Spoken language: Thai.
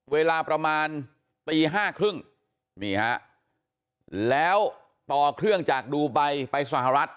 เวลาประมาณตีห้าครึ่งนี่ฮะแล้วต่อเครื่องจากดูไบไปสหรัฐ